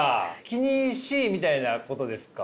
気にしいみたいなことですか？